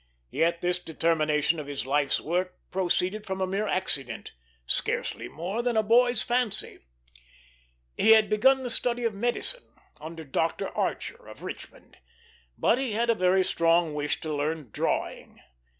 Yet this determination of his life's work proceeded from a mere accident, scarcely more than a boy's fancy. He had begun the study of medicine, under Dr. Archer, of Richmond; but he had a very strong wish to learn drawing.